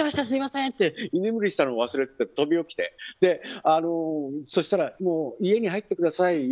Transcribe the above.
すみませんって居眠りしてたのも忘れて飛び起きて、そしたら家に入ってください